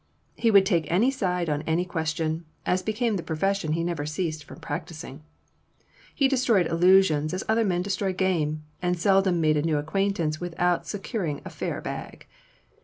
He could take any side on any question, as became the profession he never ceased from practising. He destroyed illusions as other men destroy game, and seldom made a new acquaintance without securing a fair bag.